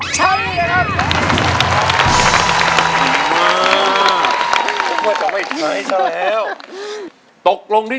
ใช้